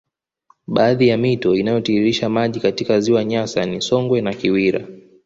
Baadhi ya mito inayotiririsha maji katika ziwa Nyasa ni Songwe na Kiwira